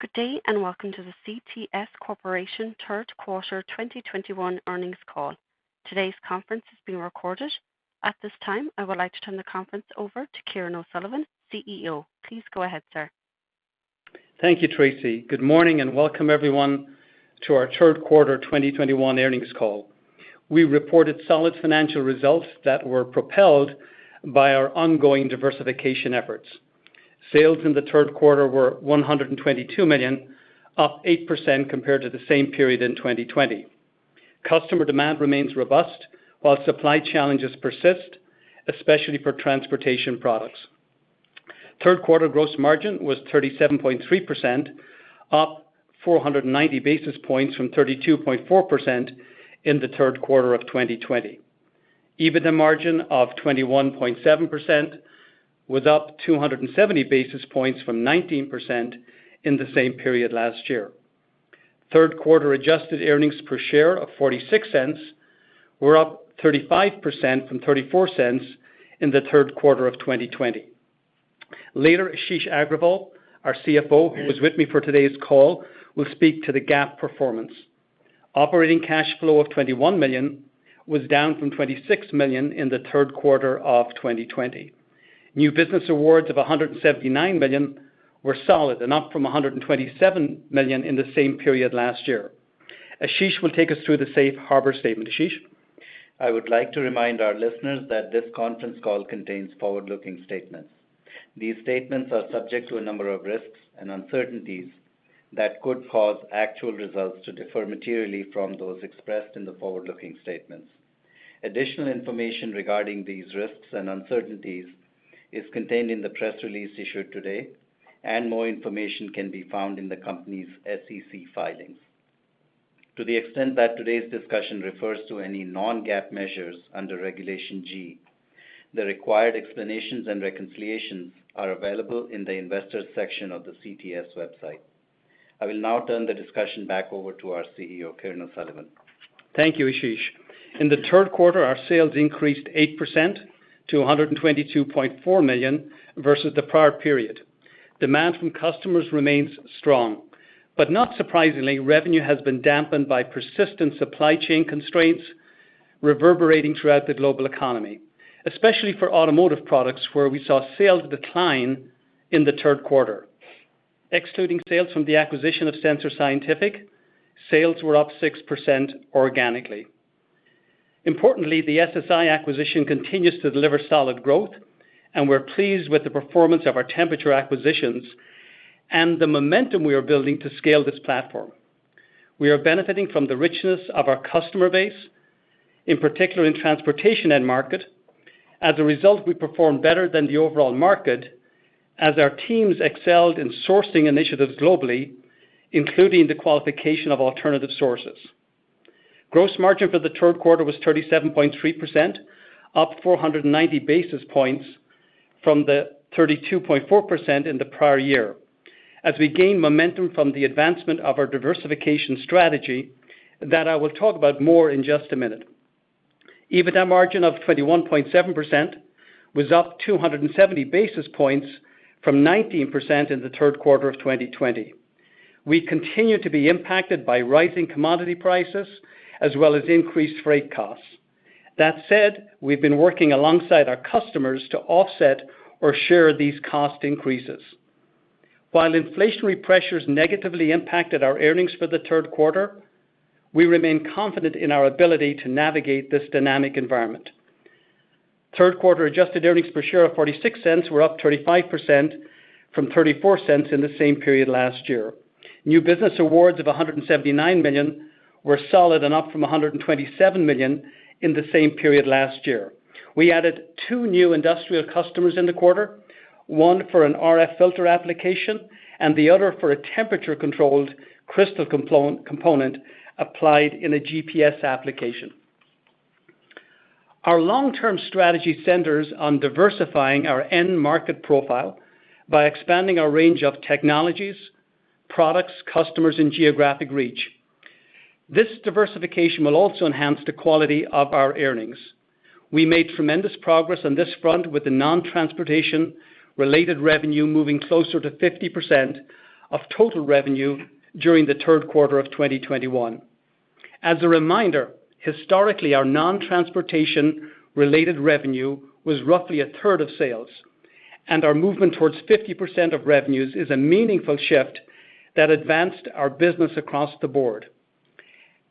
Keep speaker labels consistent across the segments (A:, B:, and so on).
A: Good day, and welcome to the CTS Corporation third quarter 2021 earnings call. Today's conference is being recorded. At this time, I would like to turn the conference over to Kieran O'Sullivan, CEO. Please go ahead, sir.
B: Thank you, Tracy. Good morning, and welcome everyone to our third quarter 2021 earnings call. We reported solid financial results that were propelled by our ongoing diversification efforts. Sales in the third quarter were $122 million, up 8% compared to the same period in 2020. Customer demand remains robust, while supply challenges persist, especially for transportation products. Third quarter gross margin was 37.3%, up 490 basis points from 32.4% in the third quarter of 2020. EBITDA margin of 21.7% was up 270 basis points from 19% in the same period last year. Third quarter adjusted earnings per share of $0.46 were up 35% from $0.34 in the third quarter of 2020. Later, Ashish Agrawal, our CFO, who is with me for today's call, will speak to the GAAP performance. Operating cash flow of $21 million was down from $26 million in the third quarter of 2020. New business awards of $179 million were solid and up from $127 million in the same period last year. Ashish will take us through the safe harbor statement. Ashish.
C: I would like to remind our listeners that this conference call contains forward-looking statements. These statements are subject to a number of risks and uncertainties that could cause actual results to differ materially from those expressed in the forward-looking statements. Additional information regarding these risks and uncertainties is contained in the press release issued today, and more information can be found in the company's SEC filings. To the extent that today's discussion refers to any non-GAAP measures under Regulation G, the required explanations and reconciliations are available in the Investors section of the CTS website. I will now turn the discussion back over to our CEO, Kieran O'Sullivan.
B: Thank you, Ashish. In the third quarter, our sales increased 8% to $122.4 million versus the prior period. Demand from customers remains strong, but not surprisingly, revenue has been dampened by persistent supply chain constraints reverberating throughout the global economy, especially for automotive products, where we saw sales decline in the third quarter. Excluding sales from the acquisition of Sensor Scientific, sales were up 6% organically. Importantly, the SSI acquisition continues to deliver solid growth, and we're pleased with the performance of our temperature acquisitions and the momentum we are building to scale this platform. We are benefiting from the richness of our customer base, in particular in transportation end market. As a result, we performed better than the overall market as our teams excelled in sourcing initiatives globally, including the qualification of alternative sources. Gross margin for the third quarter was 37.3%, up 490 basis points from the 32.4% in the prior year as we gain momentum from the advancement of our diversification strategy that I will talk about more in just a minute. EBITDA margin of 21.7% was up 270 basis points from 19% in the third quarter of 2020. We continue to be impacted by rising commodity prices as well as increased freight costs. That said, we've been working alongside our customers to offset or share these cost increases. While inflationary pressures negatively impacted our earnings for the third quarter, we remain confident in our ability to navigate this dynamic environment. Third quarter adjusted earnings per share of $0.46 were up 35% from $0.34 in the same period last year. New business awards of $179 million were solid and up from $127 million in the same period last year. We added two new industrial customers in the quarter, one for an RF filter application and the other for a temperature-controlled crystal component applied in a GPS application. Our long-term strategy centers on diversifying our end market profile by expanding our range of technologies, products, customers, and geographic reach. This diversification will also enhance the quality of our earnings. We made tremendous progress on this front with the non-transportation related revenue moving closer to 50% of total revenue during the third quarter of 2021. As a reminder, historically, our non-transportation related revenue was roughly a third of sales, and our movement towards 50% of revenues is a meaningful shift that advanced our business across the board.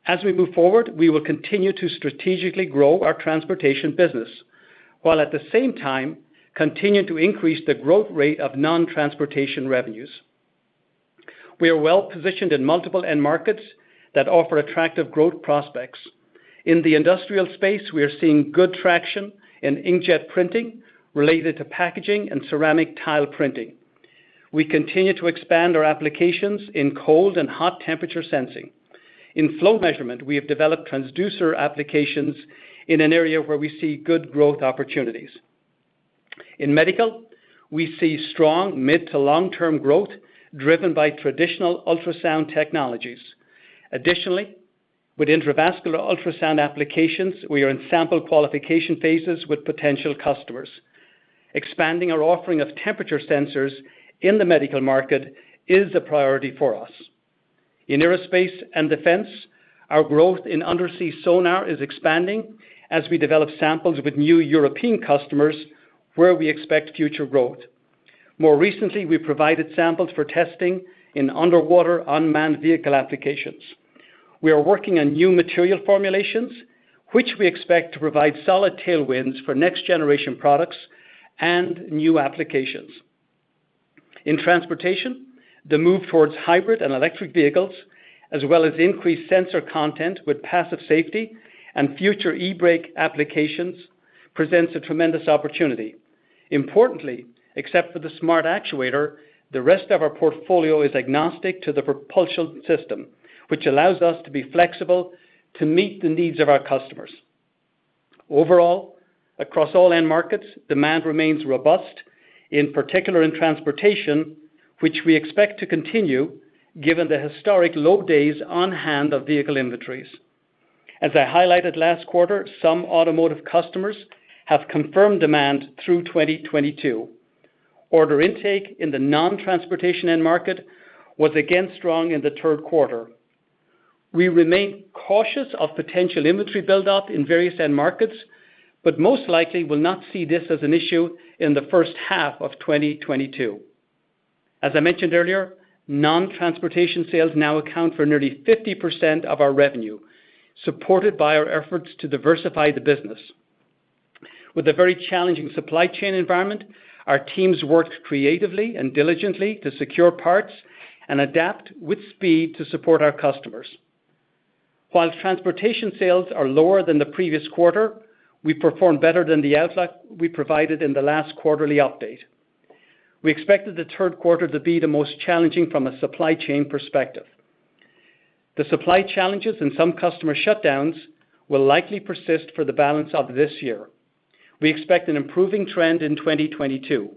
B: As we move forward, we will continue to strategically grow our transportation business while at the same time continue to increase the growth rate of non-transportation revenues. We are well-positioned in multiple end markets that offer attractive growth prospects. In the industrial space, we are seeing good traction in inkjet printing related to packaging and ceramic tile printing. We continue to expand our applications in cold and hot temperature sensing. In flow measurement, we have developed transducer applications in an area where we see good growth opportunities. In medical, we see strong mid- to long-term growth driven by traditional ultrasound technologies. Additionally, with intravascular ultrasound applications, we are in sample qualification phases with potential customers. Expanding our offering of temperature sensors in the medical market is a priority for us. In aerospace and defense, our growth in undersea sonar is expanding as we develop samples with new European customers where we expect future growth. More recently, we provided samples for testing in underwater unmanned vehicle applications. We are working on new material formulations, which we expect to provide solid tailwinds for next-generation products and new applications. In transportation, the move towards hybrid and electric vehicles, as well as increased sensor content with passive safety and future eBrake applications, presents a tremendous opportunity. Importantly, except for the Smart Actuator, the rest of our portfolio is agnostic to the propulsion system, which allows us to be flexible to meet the needs of our customers. Overall, across all end markets, demand remains robust, in particular in transportation, which we expect to continue given the historic low days on hand of vehicle inventories. As I highlighted last quarter, some automotive customers have confirmed demand through 2022. Order intake in the non-transportation end market was again strong in the third quarter. We remain cautious of potential inventory buildup in various end markets, but most likely will not see this as an issue in the first half of 2022. As I mentioned earlier, non-transportation sales now account for nearly 50% of our revenue, supported by our efforts to diversify the business. With a very challenging supply chain environment, our teams worked creatively and diligently to secure parts and adapt with speed to support our customers. While transportation sales are lower than the previous quarter, we performed better than the outlook we provided in the last quarterly update. We expected the third quarter to be the most challenging from a supply chain perspective. The supply challenges and some customer shutdowns will likely persist for the balance of this year. We expect an improving trend in 2022.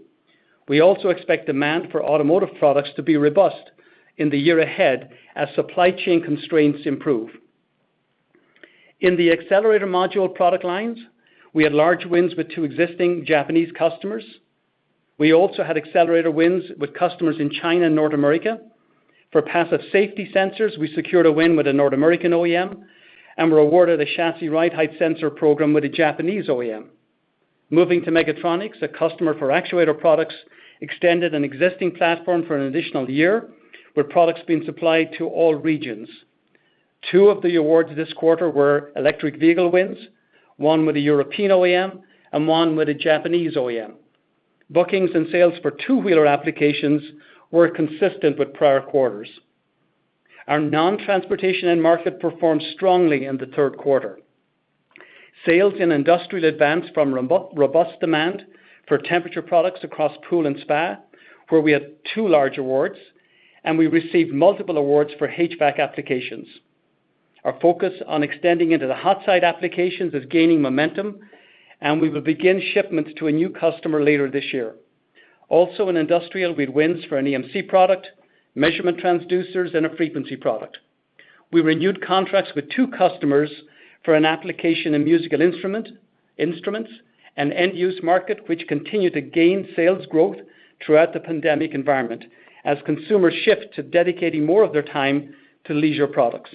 B: We also expect demand for automotive products to be robust in the year ahead as supply chain constraints improve. In the accelerator module product lines, we had large wins with two existing Japanese customers. We also had accelerator wins with customers in China and North America. For passive safety sensors, we secured a win with a North American OEM and were awarded a chassis ride height sensor program with a Japanese OEM. Moving to Mechatronics, a customer for actuator products extended an existing platform for an additional year, with products being supplied to all regions. Two of the awards this quarter were electric vehicle wins, one with a European OEM and one with a Japanese OEM. Bookings and sales for two-wheeler applications were consistent with prior quarters. Our non-transportation end market performed strongly in the third quarter. Sales in industrial advanced, from robust demand for temperature products across pool and spa, where we had two large awards, and we received multiple awards for HVAC applications. Our focus on extending into the hot side applications is gaining momentum, and we will begin shipments to a new customer later this year. Also in industrial, we had wins for an EMC product, measurement transducers, and a frequency product. We renewed contracts with two customers for an application in musical instruments, an end-use market which continued to gain sales growth throughout the pandemic environment as consumers shift to dedicating more of their time to leisure products.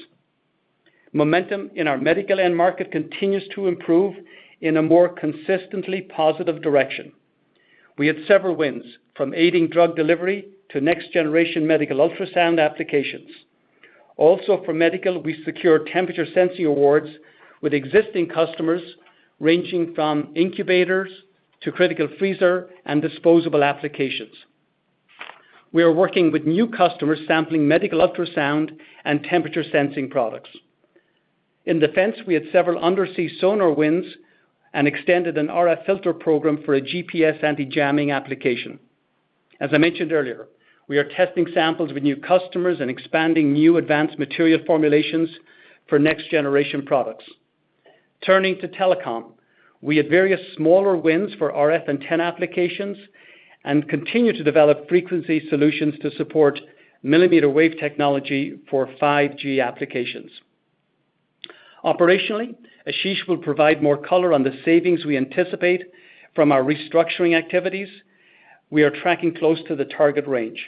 B: Momentum in our medical end market continues to improve in a more consistently positive direction. We had several wins, from aiding drug delivery to next-generation medical ultrasound applications. Also for medical, we secured temperature sensing awards with existing customers ranging from incubators to critical freezer and disposable applications. We are working with new customers sampling medical ultrasound and temperature sensing products. In defense, we had several undersea sonar wins and extended an RF filter program for a GPS anti-jamming application. As I mentioned earlier, we are testing samples with new customers and expanding new advanced material formulations for next-generation products. Turning to telecom, we had various smaller wins for RF antenna applications and continue to develop frequency solutions to support millimeter wave technology for 5G applications. Operationally, Ashish will provide more color on the savings we anticipate from our restructuring activities. We are tracking close to the target range.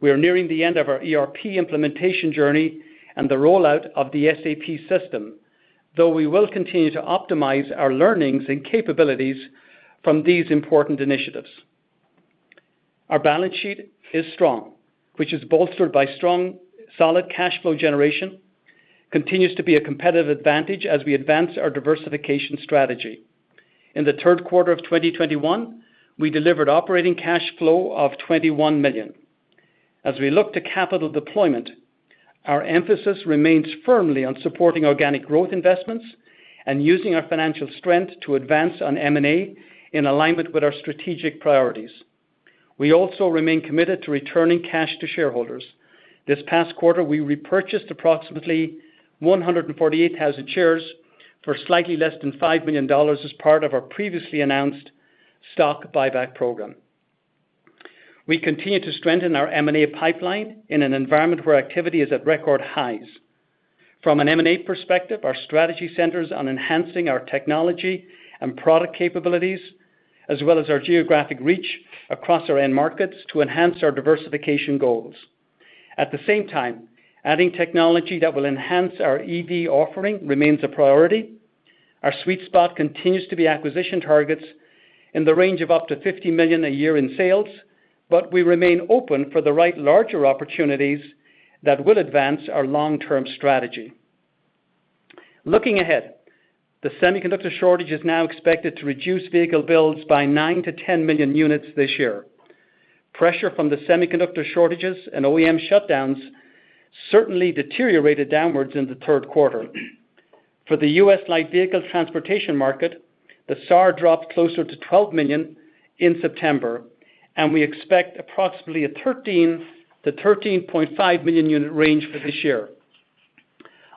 B: We are nearing the end of our ERP implementation journey and the rollout of the SAP system, though we will continue to optimize our learnings and capabilities from these important initiatives. Our balance sheet is strong, which is bolstered by strong, solid cash flow generation, continues to be a competitive advantage as we advance our diversification strategy. In the third quarter of 2021, we delivered operating cash flow of $21 million. As we look to capital deployment, our emphasis remains firmly on supporting organic growth investments and using our financial strength to advance on M&A in alignment with our strategic priorities. We also remain committed to returning cash to shareholders. This past quarter, we repurchased approximately 148,000 shares for slightly less than $5 million as part of our previously announced stock buyback program. We continue to strengthen our M&A pipeline in an environment where activity is at record highs. From an M&A perspective, our strategy centers on enhancing our technology and product capabilities as well as our geographic reach across our end markets to enhance our diversification goals. At the same time, adding technology that will enhance our EV offering remains a priority. Our sweet spot continues to be acquisition targets in the range of up to $50 million a year in sales, but we remain open for the right larger opportunities that will advance our long-term strategy. Looking ahead, the semiconductor shortage is now expected to reduce vehicle builds by nine to 10 million units this year. Pressure from the semiconductor shortages and OEM shutdowns certainly deteriorated downwards in the third quarter. For the U.S. light vehicle transportation market, the SAAR dropped closer to 12 million in September, and we expect approximately a 13 to 13.5 million unit range for this year.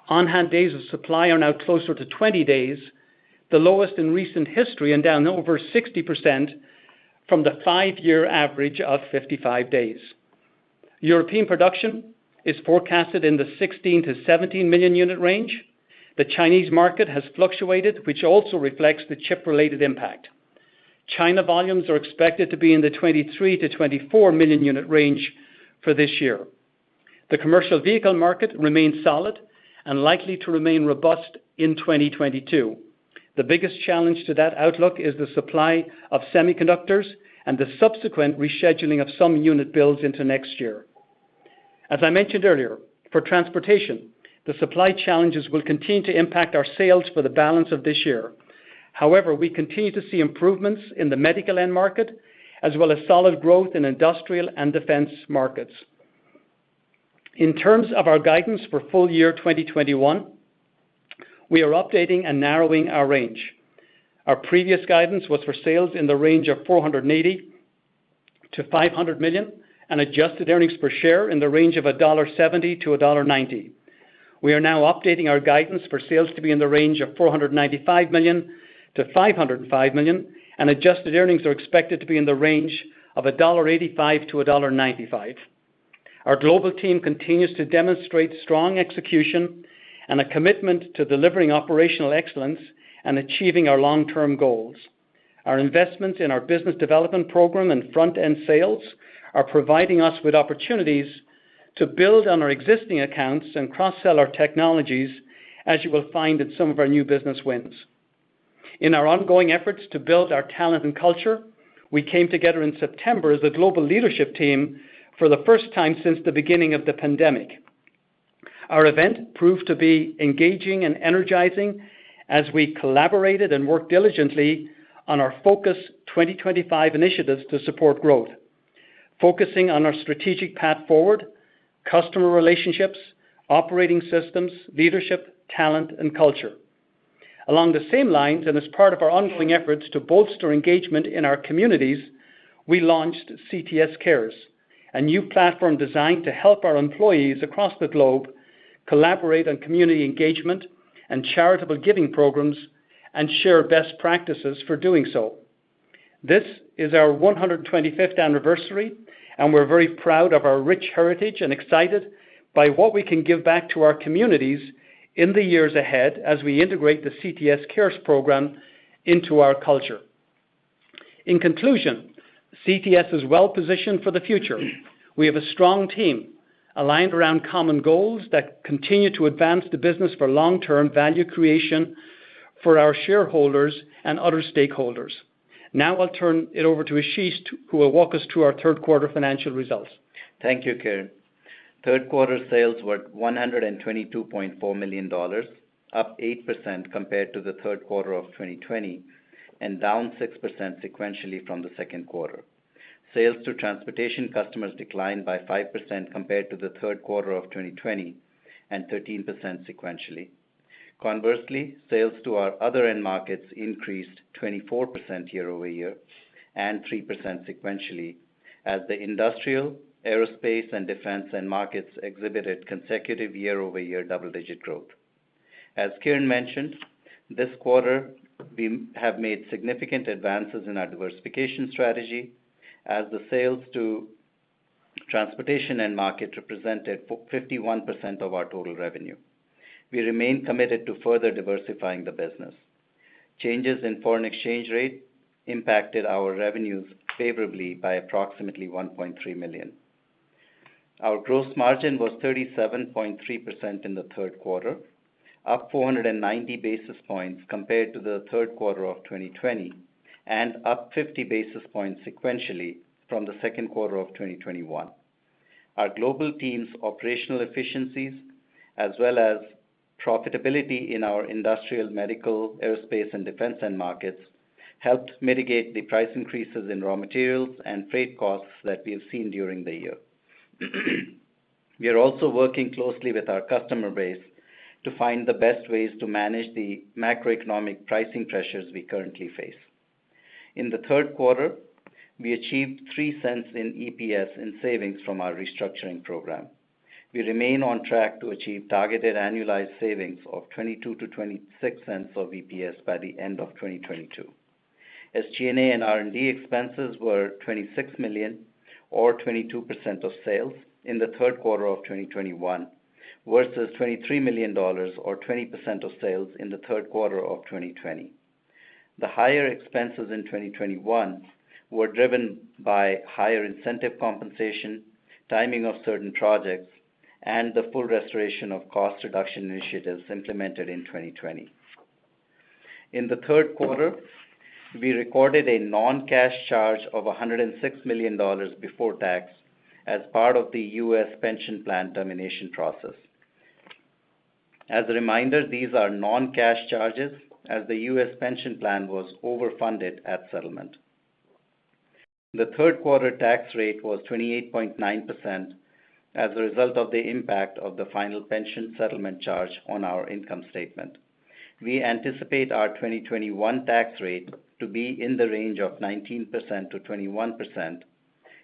B: On-hand days of supply are now closer to 20 days, the lowest in recent history and down over 60% from the five-year average of 55 days. European production is forecasted in the 16 to 17 million unit range. The Chinese market has fluctuated, which also reflects the chip-related impact. China volumes are expected to be in the 23 to 24 million unit range for this year. The commercial vehicle market remains solid and likely to remain robust in 2022. The biggest challenge to that outlook is the supply of semiconductors and the subsequent rescheduling of some unit builds into next year. As I mentioned earlier, for transportation, the supply challenges will continue to impact our sales for the balance of this year. However, we continue to see improvements in the medical end market, as well as solid growth in industrial and defense markets. In terms of our guidance for full year 2021, we are updating and narrowing our range. Our previous guidance was for sales in the range of $480 million to $500 million and adjusted earnings per share in the range of $1.70 to $1.90. We are now updating our guidance for sales to be in the range of $495 million to $505 million, and adjusted earnings are expected to be in the range of $1.85 to $1.95. Our global team continues to demonstrate strong execution and a commitment to delivering operational excellence and achieving our long-term goals. Our investments in our business development program and front-end sales are providing us with opportunities to build on our existing accounts and cross-sell our technologies, as you will find in some of our new business wins. In our ongoing efforts to build our talent and culture, we came together in September as a global leadership team for the first time since the beginning of the pandemic. Our event proved to be engaging and energizing as we collaborated and worked diligently on our Focus 2025 initiatives to support growth, focusing on our strategic path forward, customer relationships, operating systems, leadership, talent and culture. Along the same lines, and as part of our ongoing efforts to bolster engagement in our communities, we launched CTS Cares, a new platform designed to help our employees across the globe collaborate on community engagement and charitable giving programs and share best practices for doing so. This is our 125th anniversary, and we're very proud of our rich heritage and excited by what we can give back to our communities in the years ahead as we integrate the CTS Cares program into our culture. In conclusion, CTS is well positioned for the future. We have a strong team aligned around common goals that continue to advance the business for long-term value creation for our shareholders and other stakeholders. Now I'll turn it over to Ashish, who will walk us through our third quarter financial results.
C: Thank you, Kieran. Third quarter sales were $122.4 million, up 8% compared to the third quarter of 2020, and down 6% sequentially from the second quarter. Sales to transportation customers declined by 5% compared to the third quarter of 2020 and 13% sequentially. Conversely, sales to our other end markets increased 24% year-over-year and 3% sequentially as the industrial, aerospace, and defense end markets exhibited consecutive year-over-year double-digit growth. As Kieran mentioned, this quarter we have made significant advances in our diversification strategy as the sales to transportation end market represented 51% of our total revenue. We remain committed to further diversifying the business. Changes in foreign exchange rate impacted our revenues favorably by approximately $1.3 million. Our gross margin was 37.3% in the third quarter, up 490 basis points compared to the third quarter of 2020 and up 50 basis points sequentially from the second quarter of 2021. Our global team's operational efficiencies as well as profitability in our industrial, medical, aerospace, and defense end markets helped mitigate the price increases in raw materials and freight costs that we have seen during the year. We are also working closely with our customer base to find the best ways to manage the macroeconomic pricing pressures we currently face. In the third quarter, we achieved $0.03 in EPS in savings from our restructuring program. We remain on track to achieve targeted annualized savings of $0.22 to $0.26 of EPS by the end of 2022. SG&A and R&D expenses were $26 million or 22% of sales in the third quarter of 2021, versus $23 million or 20% of sales in the third quarter of 2020. The higher expenses in 2021 were driven by higher incentive compensation, timing of certain projects, and the full restoration of cost reduction initiatives implemented in 2020. In the third quarter, we recorded a non-cash charge of $106 million before tax as part of the U.S. pension plan termination process. As a reminder, these are non-cash charges as the U.S. pension plan was overfunded at settlement. The third quarter tax rate was 28.9% as a result of the impact of the final pension settlement charge on our income statement. We anticipate our 2021 tax rate to be in the range of 19% to 21%,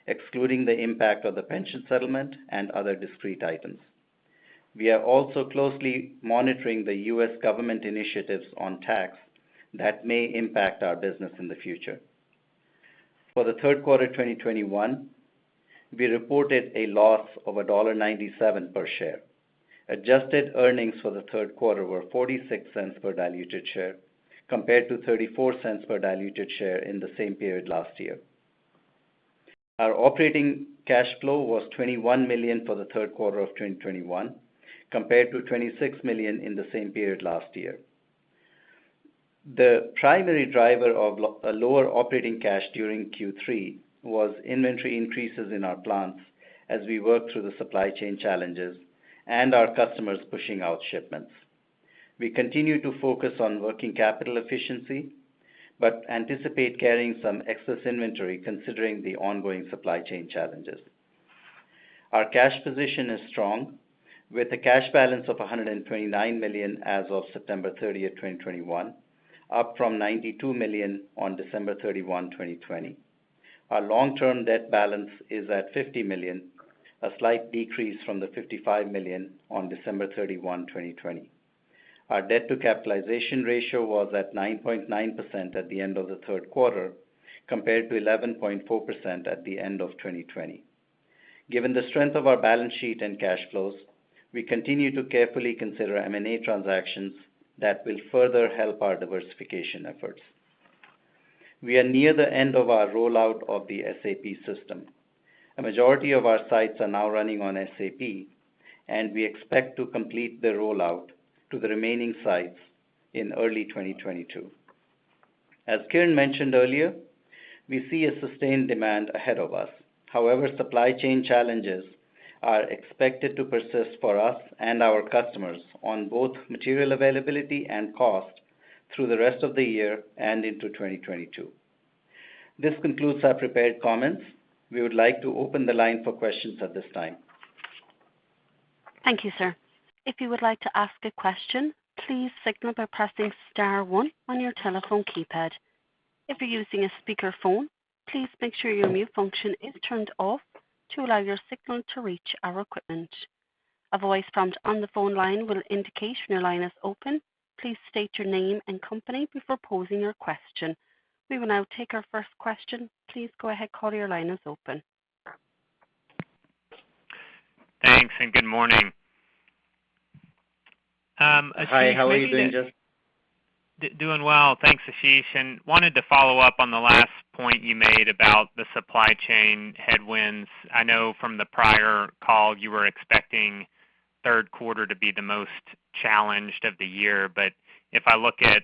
C: excluding the impact of the pension settlement and other discrete items. We are also closely monitoring the U.S. government initiatives on tax that may impact our business in the future. For the third quarter 2021, we reported a loss of $1.97 per share. Adjusted earnings for the third quarter were $0.46 per diluted share compared to $0.34 per diluted share in the same period last year. Our operating cash flow was $21 million for the third quarter of 2021, compared to $26 million in the same period last year. The primary driver of a lower operating cash during Q3 was inventory increases in our plants as we work through the supply chain challenges and our customers pushing out shipments. We continue to focus on working capital efficiency, but anticipate carrying some excess inventory considering the ongoing supply chain challenges. Our cash position is strong with a cash balance of $129 million as of September 30, 2021, up from $92 million on December 31, 2020. Our long-term debt balance is at $50 million, a slight decrease from the $55 million on December 31, 2020. Our debt to capitalization ratio was at 9.9% at the end of the third quarter, compared to 11.4% at the end of 2020. Given the strength of our balance sheet and cash flows, we continue to carefully consider M&A transactions that will further help our diversification efforts. We are near the end of our rollout of the SAP system. A majority of our sites are now running on SAP, and we expect to complete the rollout to the remaining sites in early 2022. Kieran mentioned earlier, we see a sustained demand ahead of us. However, supply chain challenges are expected to persist for us and our customers on both material availability and cost through the rest of the year and into 2022. This concludes our prepared comments. We would like to open the line for questions at this time.
A: Thank you, sir. If you would like to ask a question, please signal by pressing star one on your telephone keypad. If you're using a speakerphone, please make sure your mute function is turned off to allow your signal to reach our equipment. A voice prompt on the phone line will indicate when your line is open. Please state your name and company before posing your question. We will now take our first question. Please go ahead. Caller, your line is open.
D: Thanks, and good morning.
C: Hi, how are you doing, Justin?
D: Doing well. Thanks, Ashish. Wanted to follow up on the last point you made about the supply chain headwinds. I know from the prior call you were expecting third quarter to be the most challenged of the year, but if I look at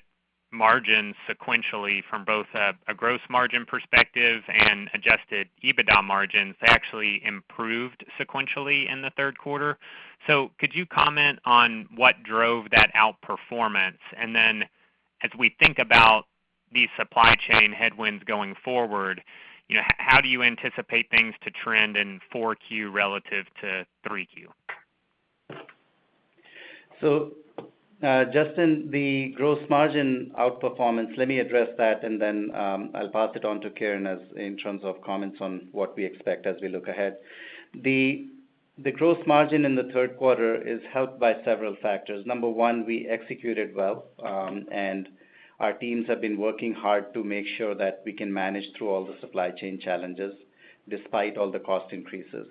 D: margins sequentially from both a gross margin perspective and adjusted EBITDA margins, they actually improved sequentially in the third quarter. Could you comment on what drove that outperformance? Then as we think about these supply chain headwinds going forward, you know, how do you anticipate things to trend in 4Q relative to 3Q?
C: Justin, the gross margin outperformance, let me address that, and then I'll pass it on to Kieran in terms of comments on what we expect as we look ahead. The gross margin in the third quarter is helped by several factors. Number one, we executed well, and our teams have been working hard to make sure that we can manage through all the supply chain challenges despite all the cost increases.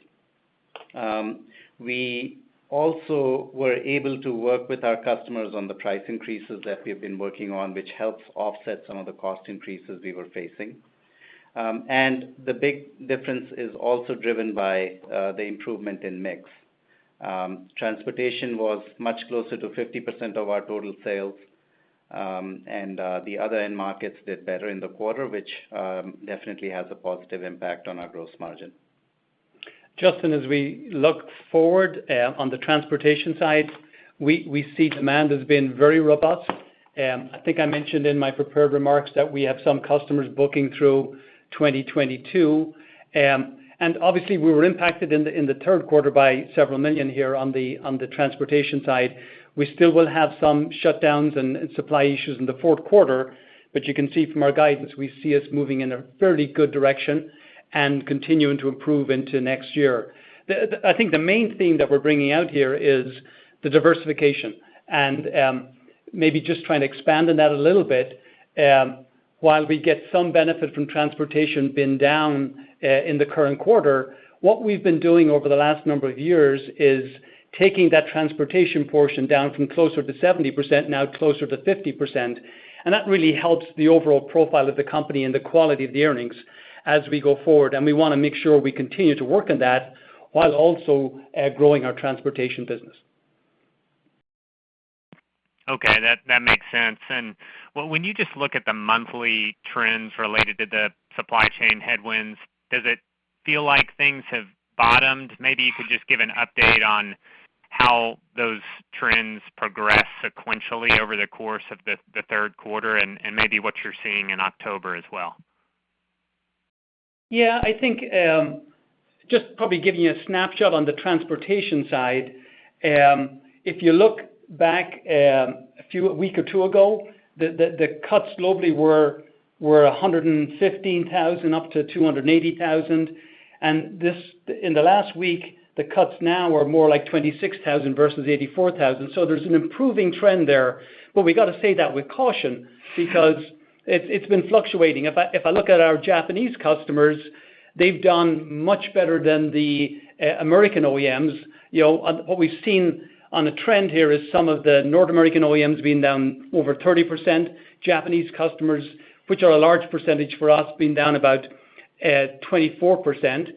C: We also were able to work with our customers on the price increases that we've been working on, which helps offset some of the cost increases we were facing. The big difference is also driven by the improvement in mix. Transportation was much closer to 50% of our total sales, and the other end markets did better in the quarter, which definitely has a positive impact on our gross margin.
B: Justin, as we look forward on the transportation side, we see demand has been very robust. I think I mentioned in my prepared remarks that we have some customers booking through 2022. Obviously we were impacted in the third quarter by several millions here on the transportation side. We still will have some shutdowns and supply issues in the fourth quarter, but you can see from our guidance, we see us moving in a fairly good direction and continuing to improve into next year. I think the main theme that we're bringing out here is the diversification and maybe just trying to expand on that a little bit. While we get some benefit from transportation being down in the current quarter, what we've been doing over the last number of years is taking that transportation portion down from closer to 70% now closer to 50%, and that really helps the overall profile of the company and the quality of the earnings as we go forward. We wanna make sure we continue to work on that while also growing our transportation business.
D: Okay. That makes sense. Well, when you just look at the monthly trends related to the supply chain headwinds, does it feel like things have bottomed? Maybe you could just give an update on how those trends progress sequentially over the course of the third quarter and maybe what you're seeing in October as well.
B: Yeah. I think just probably giving you a snapshot on the transportation side. If you look back a few weeks or two ago, the cuts globally were 115,000 to 280,000. This in the last week, the cuts now are more like 26,000 versus 84,000. There's an improving trend there. We gotta say that with caution because it's been fluctuating. If I look at our Japanese customers, they've done much better than the American OEMs. You know, what we've seen on the trend here is some of the North American OEMs being down over 30%, Japanese customers, which are a large percentage for us, being down about 24%.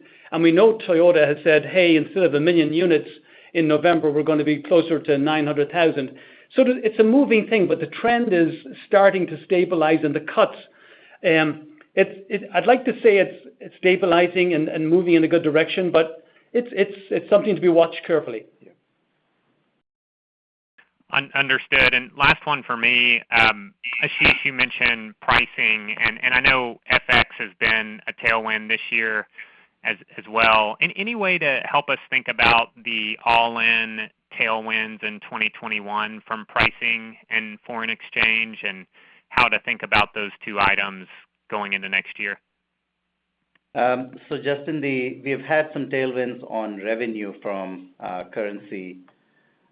B: We know Toyota has said, Hey, instead of one million units in November, we're gonna be closer to 900,000. It's a moving thing, but the trend is starting to stabilize and the cuts. I'd like to say it's stabilizing and moving in a good direction, but it's something to be watched carefully.
D: Understood. Last one for me. Ashish, you mentioned pricing, and I know FX has been a tailwind this year as well. Is there any way to help us think about the all-in tailwinds in 2021 from pricing and foreign exchange and how to think about those two items going into next year?
C: Justin, we've had some tailwinds on revenue from currency,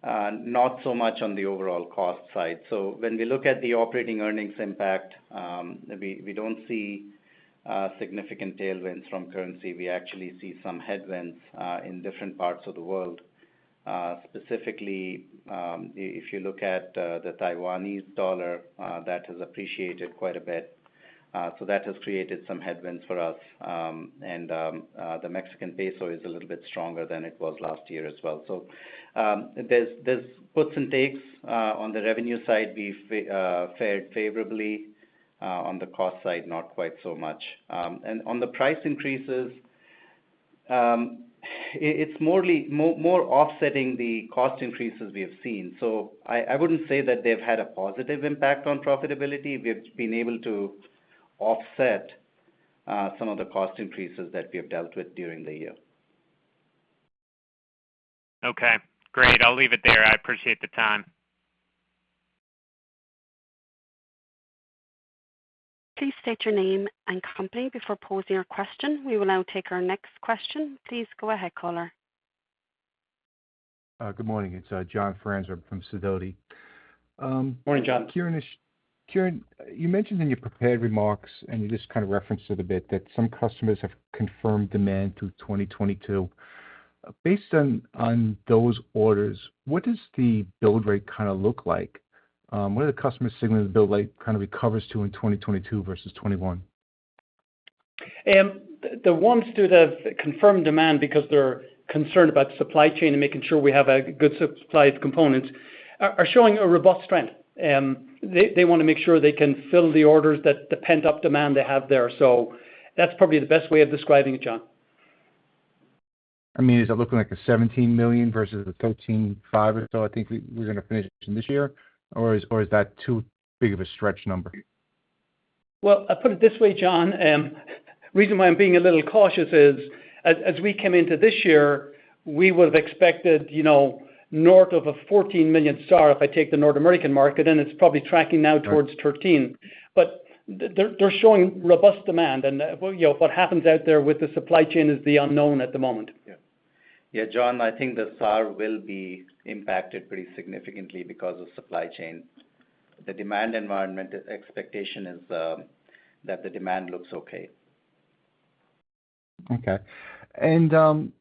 C: not so much on the overall cost side. When we look at the operating earnings impact, we don't see significant tailwinds from currency. We actually see some headwinds in different parts of the world. Specifically, if you look at the Taiwanese dollar, that has appreciated quite a bit. That has created some headwinds for us. The Mexican peso is a little bit stronger than it was last year as well. There's puts and takes. On the revenue side, we fared favorably on the cost side, not quite so much. On the price increases, it's more offsetting the cost increases we have seen. I wouldn't say that they've had a positive impact on profitability. We have been able to offset some of the cost increases that we have dealt with during the year.
D: Okay, great. I'll leave it there. I appreciate the time.
A: Please state your name and company before posing your question. We will now take our next question. Please go ahead, caller.
E: Good morning. It's John Franzreb from Sidoti.
B: Morning, John.
E: Kieran, you mentioned in your prepared remarks, and you just kind of referenced it a bit, that some customers have confirmed demand through 2022. Based on those orders, what does the build rate kinda look like? What are the customer signals build rate kinda recovers to in 2022 versus 2021?
B: The ones that have confirmed demand because they're concerned about supply chain and making sure we have a good supply of components are showing a robust trend. They wanna make sure they can fill the orders that the pent-up demand they have there. That's probably the best way of describing it, John.
E: I mean, is it looking like $17 million versus the $13.5 million or so I think we're gonna finish this year? Or is that too big of a stretch number?
B: Well, I put it this way, John. Reason why I'm being a little cautious is as we came into this year, we would have expected, you know, north of 14 million SAAR if I take the North American market, and it's probably tracking now towards 13. They're showing robust demand. Well, you know, what happens out there with the supply chain is the unknown at the moment.
C: Yeah. Yeah, John, I think the SAAR will be impacted pretty significantly because of supply chain. The demand environment expectation is that the demand looks okay.
E: Okay. Ashish,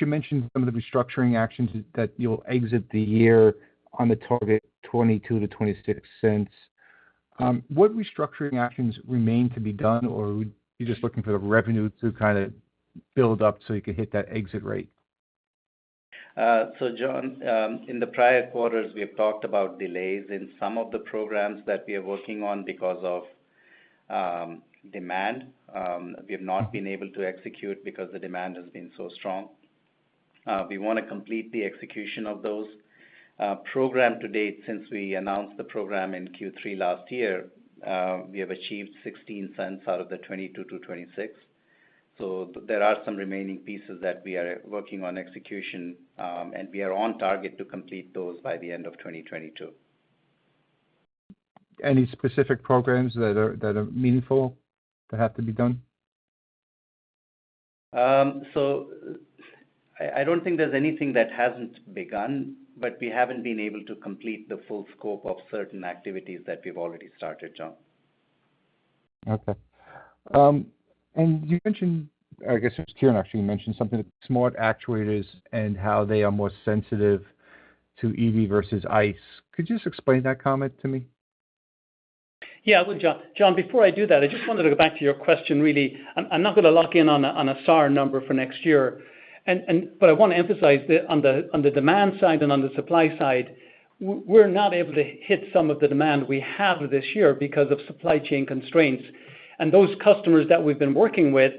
E: you mentioned some of the restructuring actions that you'll exit the year on the target $0.22 to $0.26. What restructuring actions remain to be done? Or are you just looking for the revenue to kind of build up so you can hit that exit rate?
C: John, in the prior quarters, we have talked about delays in some of the programs that we are working on because of demand. We have not been able to execute because the demand has been so strong. We wanna complete the execution of those programs to date. Since we announced the program in Q3 last year, we have achieved $0.16 out of the $0.22 to $0.26. There are some remaining pieces that we are working on execution, and we are on target to complete those by the end of 2022.
E: Any specific programs that are meaningful that have to be done?
C: I don't think there's anything that hasn't begun, but we haven't been able to complete the full scope of certain activities that we've already started, John.
E: Okay. You mentioned, I guess it's Kieran actually mentioned something, smart actuators and how they are more sensitive to EV versus ICE. Could you just explain that comment to me?
B: Yeah, I would, John. John, before I do that, I just wanted to go back to your question. Really, I'm not gonna lock in on a SAAR number for next year. I wanna emphasize on the demand side and on the supply side, we're not able to hit some of the demand we have this year because of supply chain constraints. Those customers that we've been working with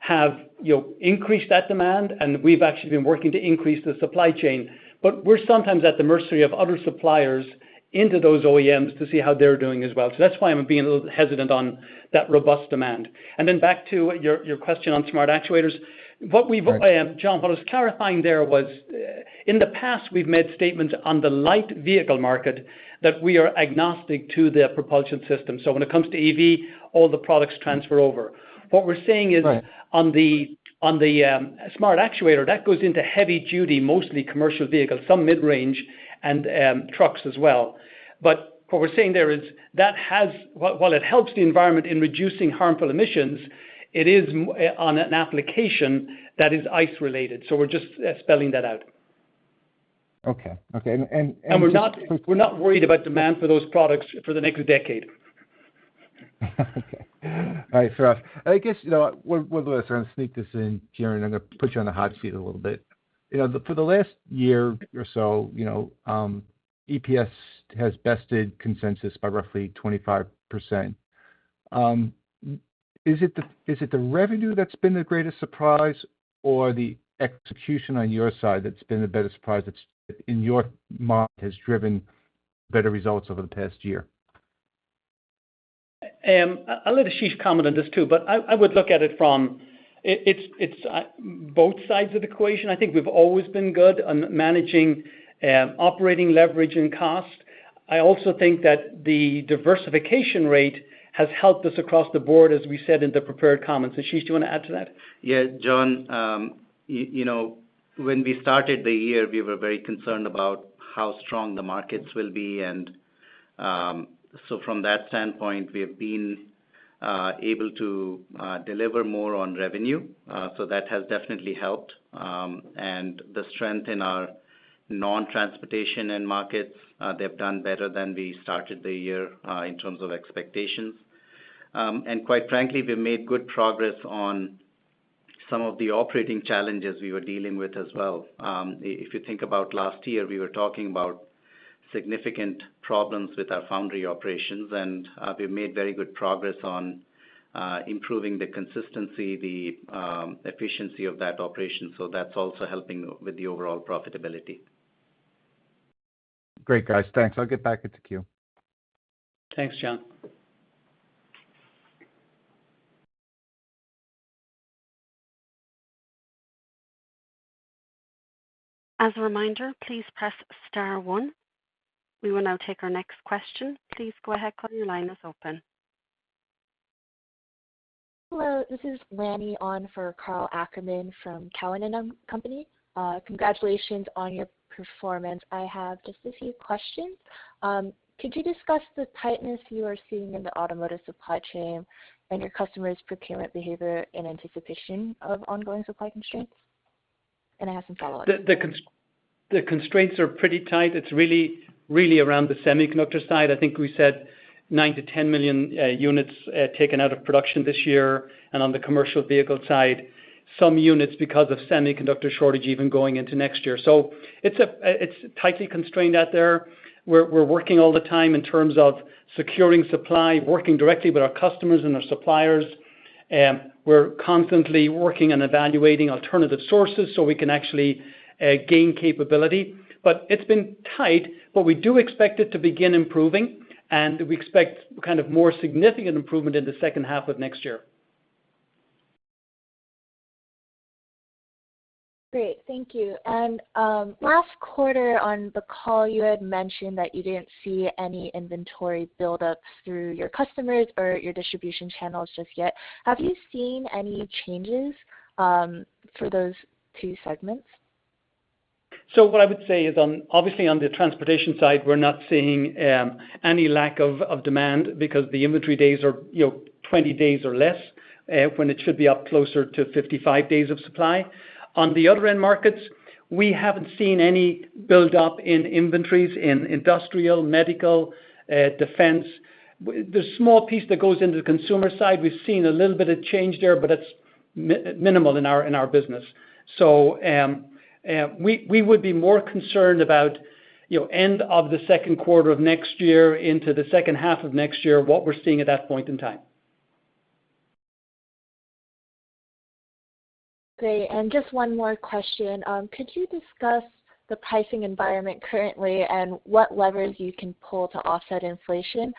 B: have, you know, increased that demand, and we've actually been working to increase the supply chain. We're sometimes at the mercy of other suppliers into those OEMs to see how they're doing as well. That's why I'm being a little hesitant on that robust demand. Then back to your question on smart actuators. What we've-
E: Right.
B: John, what I was clarifying there was, in the past, we've made statements on the light vehicle market that we are agnostic to the propulsion system. When it comes to EV, all the products transfer over. What we're saying is on the smart actuator that goes into heavy-duty, mostly commercial vehicles, some mid-range and trucks as well. What we're saying there is that while it helps the environment in reducing harmful emissions, it is on an application that is ICE related. We're just spelling that out.
E: Okay.
B: We're not worried about demand for those products for the next decade.
E: Okay. All right, fair enough. I guess, you know, we're gonna sort of sneak this in, Kieran. I'm gonna put you on the hot seat a little bit. You know, for the last year or so, you know, EPS has bested consensus by roughly 25%. Is it the revenue that's been the greatest surprise or the execution on your side that's been the biggest surprise that's in your mind has driven better results over the past year?
B: I'll let Ashish comment on this too, but I would look at it from both sides of the equation. I think we've always been good on managing operating leverage and cost. I also think that the diversification rate has helped us across the board, as we said in the prepared comments. Ashish, do you wanna add to that?
C: Yeah, John. You know, when we started the year, we were very concerned about how strong the markets will be. From that standpoint, we have been able to deliver more on revenue. That has definitely helped. The strength in our non-transportation end markets, they've done better than we started the year in terms of expectations. Quite frankly, we've made good progress on some of the operating challenges we were dealing with as well. If you think about last year, we were talking about significant problems with our foundry operations, and we've made very good progress on improving the consistency, the efficiency of that operation. That's also helping with the overall profitability.
E: Great, guys. Thanks. I'll get back into queue.
B: Thanks, John.
A: As a reminder, please press star one. We will now take our next question. Please go ahead. Your line is open.
F: Hello, this is Lanny on for Karl Ackerman from Cowen and Company. Congratulations on your performance. I have just a few questions. Could you discuss the tightness you are seeing in the automotive supply chain and your customers' procurement behavior in anticipation of ongoing supply constraints? I have some follow-ups.
B: The constraints are pretty tight. It's really around the semiconductor side. I think we said nine to 10 million units taken out of production this year. On the commercial vehicle side, some units because of semiconductor shortage even going into next year. It's tightly constrained out there. We're working all the time in terms of securing supply, working directly with our customers and our suppliers. We're constantly working and evaluating alternative sources so we can actually gain capability. It's been tight, but we do expect it to begin improving, and we expect kind of more significant improvement in the second half of next year.
F: Great. Thank you. Last quarter on the call, you had mentioned that you didn't see any inventory build up through your customers or your distribution channels just yet. Have you seen any changes for those two segments?
B: What I would say is obviously on the transportation side, we're not seeing any lack of demand because the inventory days are, you know, 20 days or less when it should be up closer to 55 days of supply. On the other end markets, we haven't seen any build up in inventories in industrial, medical, defense. The small piece that goes into the consumer side, we've seen a little bit of change there, but it's minimal in our business. We would be more concerned about, you know, end of the second quarter of next year into the second half of next year, what we're seeing at that point in time.
F: Great. Just one more question. Could you discuss the pricing environment currently and what levers you can pull to offset inflation?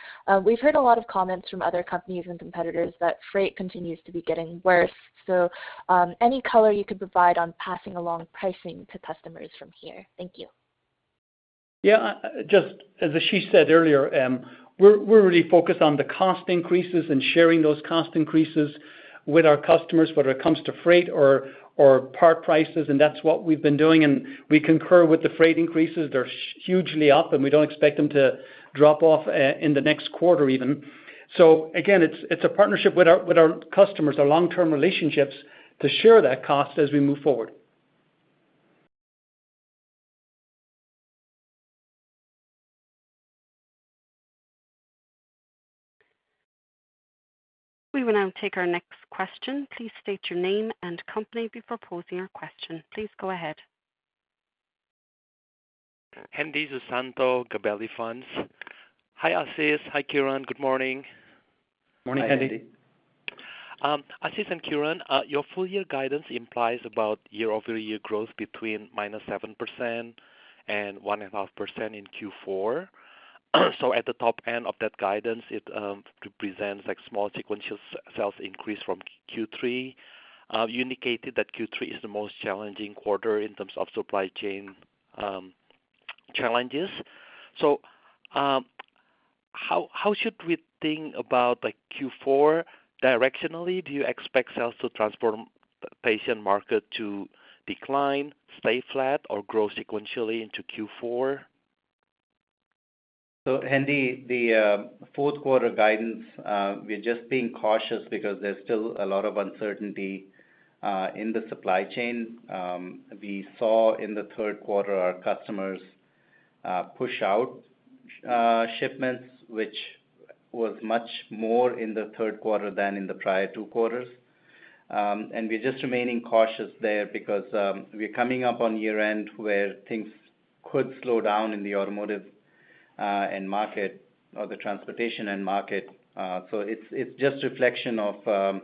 F: We've heard a lot of comments from other companies and competitors that freight continues to be getting worse. Any color you could provide on passing along pricing to customers from here. Thank you.
B: Yeah, just as Ashish said earlier, we're really focused on the cost increases and sharing those cost increases with our customers, whether it comes to freight or part prices, and that's what we've been doing. We concur with the freight increases. They're hugely up, and we don't expect them to drop off in the next quarter even. Again, it's a partnership with our customers, our long-term relationships to share that cost as we move forward.
A: We will now take our next question. Please state your name and company before posing your question. Please go ahead.
G: Hendi Susanto, Gabelli Funds. Hi, Ashish. Hi, Kieran. Good morning.
B: Morning, Hendi.
C: Morning, Hendi.
G: Ashish and Kieran, your full-year guidance implies about year-over-year growth between -7% and 1.5% in Q4. At the top end of that guidance, it represents like small sequential sales increase from Q3. You indicated that Q3 is the most challenging quarter in terms of supply chain challenges. How should we think about Q4 directionally? Do you expect sales to transportation market to decline, stay flat, or grow sequentially into Q4?
C: Hendi, the fourth quarter guidance, we're just being cautious because there's still a lot of uncertainty in the supply chain. We saw in the third quarter our customers push out shipments, which was much more in the third quarter than in the prior two quarters. We're just remaining cautious there because we're coming up on year-end where things could slow down in the automotive end market or the transportation end market. It's just reflection of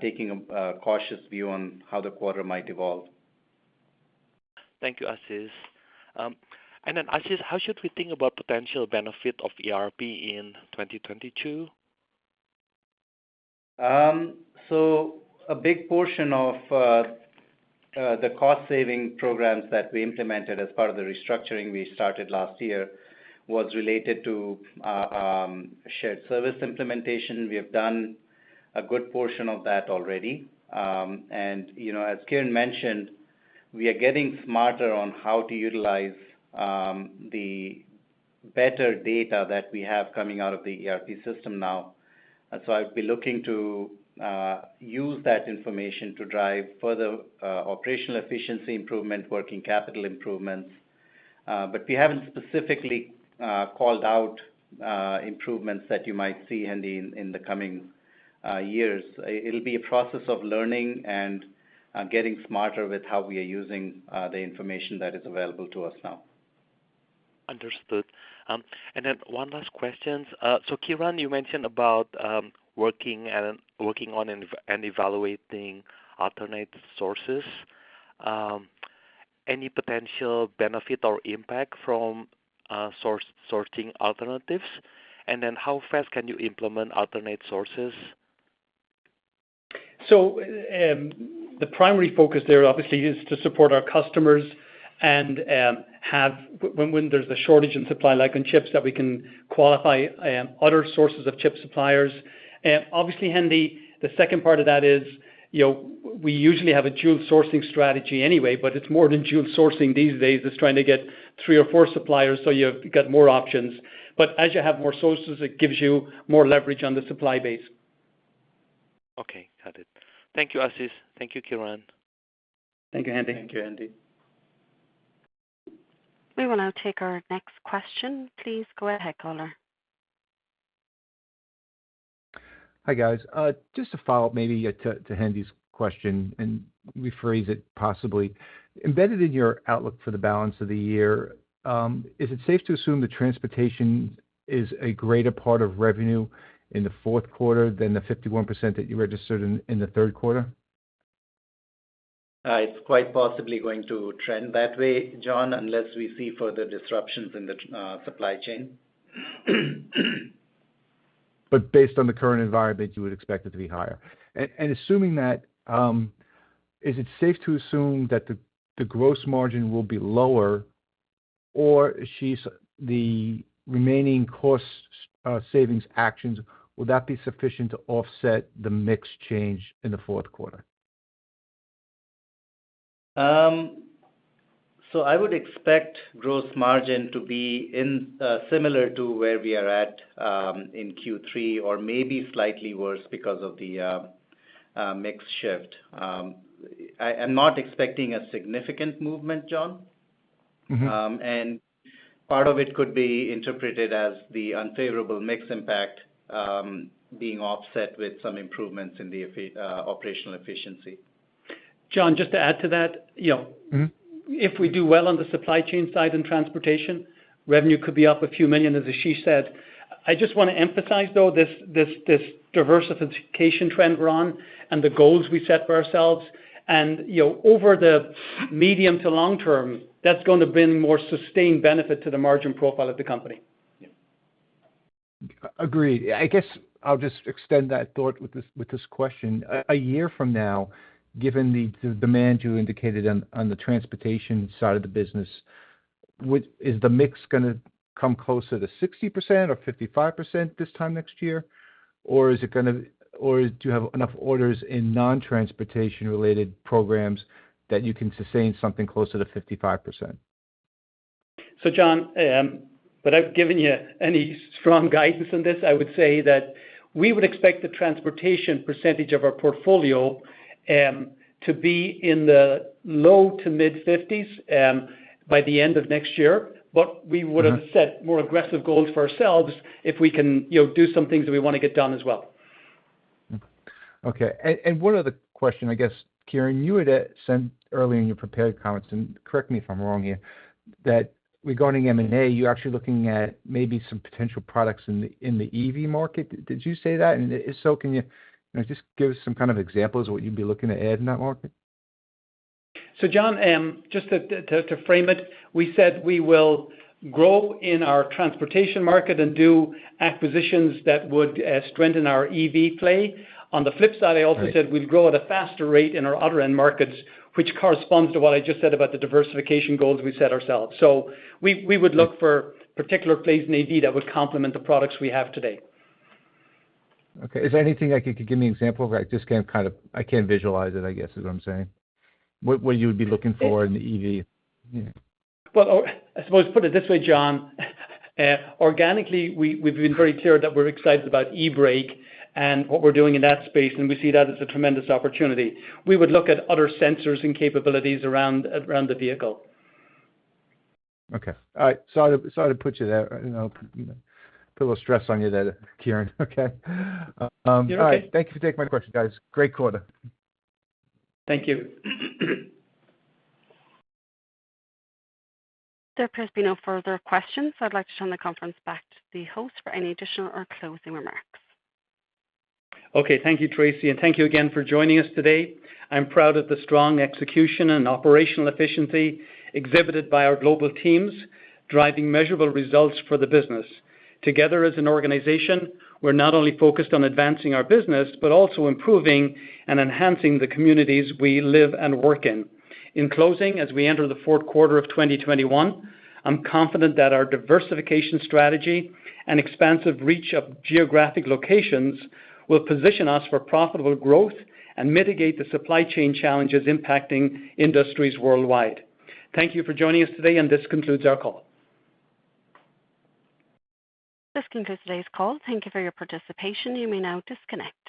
C: taking a cautious view on how the quarter might evolve.
G: Thank you, Ashish. Ashish, how should we think about potential benefit of ERP in 2022?
C: A big portion of the cost saving programs that we implemented as part of the restructuring we started last year was related to shared service implementation. We have done a good portion of that already. You know, as Kieran mentioned, we are getting smarter on how to utilize the better data that we have coming out of the ERP system now. I'd be looking to use that information to drive further operational efficiency improvement, working capital improvements. We haven't specifically called out improvements that you might see, Hendi, in the coming years. It'll be a process of learning and getting smarter with how we are using the information that is available to us now.
G: Understood. One last question. Kieran, you mentioned about working on and evaluating alternate sources. Any potential benefit or impact from sourcing alternatives? How fast can you implement alternate sources?
B: The primary focus there obviously is to support our customers and have when there's a shortage in supply, like on chips, that we can qualify other sources of chip suppliers. Obviously, Hendi, the second part of that is, you know, we usually have a dual sourcing strategy anyway, but it's more than dual sourcing these days. It's trying to get three or four suppliers so you've got more options. But as you have more sources, it gives you more leverage on the supply base.
G: Okay. Got it. Thank you, Ashish. Thank you, Kieran.
C: Thank you, Hendi.
B: Thank you, Hendi.
A: We will now take our next question. Please go ahead, caller.
E: Hi, guys. Just to follow-up maybe to Hendi's question and rephrase it possibly. Embedded in your outlook for the balance of the year, is it safe to assume that transportation is a greater part of revenue in the fourth quarter than the 51% that you registered in the third quarter?
C: It's quite possibly going to trend that way, John, unless we see further disruptions in the supply chain.
E: Based on the current environment, you would expect it to be higher. Assuming that, is it safe to assume that the gross margin will be lower? Ashish, the remaining cost savings actions, would that be sufficient to offset the mix change in the fourth quarter?
C: I would expect gross margin to be similar to where we are at in Q3 or maybe slightly worse because of the mix shift. I'm not expecting a significant movement, John.
E: Mm-hmm.
C: Part of it could be interpreted as the unfavorable mix impact being offset with some improvements in the operational efficiency.
B: John, just to add to that, you know.
E: Mm-hmm
B: If we do well on the supply chain side and transportation, revenue could be up a few million, as Ashish said. I just wanna emphasize, though, this diversification trend we're on and the goals we set for ourselves. You know, over the medium- to long-term, that's gonna bring more sustained benefit to the margin profile of the company.
E: Agreed. I guess I'll just extend that thought with this question. A year from now, given the demand you indicated on the transportation side of the business, is the mix gonna come closer to 60% or 55% this time next year? Or do you have enough orders in non-transportation related programs that you can sustain something closer to 55%?
B: John, without giving you any strong guidance on this, I would say that we would expect the transportation percentage of our portfolio to be in the low- to mid-50% by the end of next year. We would have-
E: Uh-huh.
B: set more aggressive goals for ourselves if we can, you know, do some things that we wanna get done as well.
E: Okay. One other question, I guess, Kieran, you had said earlier in your prepared comments, and correct me if I'm wrong here, that regarding M&A, you're actually looking at maybe some potential products in the EV market. Did you say that? And if so, can you know, just give us some kind of examples of what you'd be looking to add in that market?
B: John, just to frame it, we said we will grow in our transportation market and do acquisitions that would strengthen our EV play. On the flip side-
E: Right.
B: I also said we'd grow at a faster rate in our other end markets, which corresponds to what I just said about the diversification goals we set ourselves. We would look for particular plays in EV that would complement the products we have today.
E: Okay. Is there anything like you could give me an example? Like, I just can't visualize it, I guess, is what I'm saying. What you would be looking for in the EV. Yeah.
B: Well, I suppose put it this way, John. Organically, we've been very clear that we're excited about e-brake and what we're doing in that space, and we see that as a tremendous opportunity. We would look at other sensors and capabilities around the vehicle.
E: Okay. All right. Sorry to put you there. You know, put a little stress on you there, Kieran. Okay. All right.
B: You're okay.
E: Thank you for taking my question, guys. Great quarter.
B: Thank you.
A: There appears to be no further questions. I'd like to turn the conference back to the host for any additional or closing remarks.
B: Okay. Thank you, Tracy, and thank you again for joining us today. I'm proud of the strong execution and operational efficiency exhibited by our global teams driving measurable results for the business. Together as an organization, we're not only focused on advancing our business, but also improving and enhancing the communities we live and work in. In closing, as we enter the fourth quarter of 2021, I'm confident that our diversification strategy and expansive reach of geographic locations will position us for profitable growth and mitigate the supply chain challenges impacting industries worldwide. Thank you for joining us today, and this concludes our call.
A: This concludes today's call. Thank you for your participation. You may now disconnect.